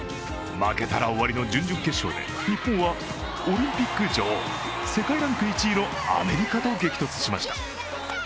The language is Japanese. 負けたら終わりの準々決勝で日本はオリンピック女王世界ランク１位のアメリカと激突しました。